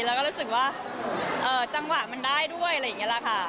แล้วก็รู้สึกว่าจังหวะมันได้ด้วยอะไรอย่างนี้แหละค่ะ